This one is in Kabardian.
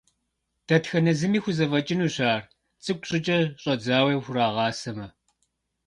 Дэтхэнэ зыми хузэфӏэкӏынущ ар, цӏыкӏу щӏыкӏэ щӏадзэу хурагъэсамэ.